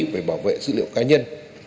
về bảo vệ dữ liệu cá nhân